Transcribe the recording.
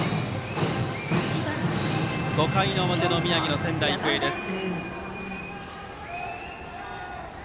５回表、宮城の仙台育英です。